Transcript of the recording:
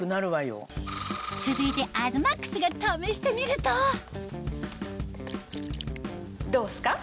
続いて東ＭＡＸが試してみるとどうっすか？